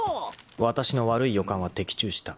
［わたしの悪い予感は的中した］